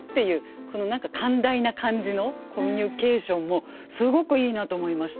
この何か寛大な感じのコミュニケーションもすごくいいなと思いました。